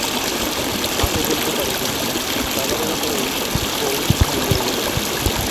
তা তো বলতে পারি নে, দাদা দাদা করেই বউ হেদিয়ে গেল।